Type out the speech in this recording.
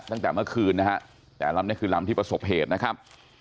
ตั้งแต่เมื่อคืนนะฮะแต่ลำที่ผสบเหตุนะครับ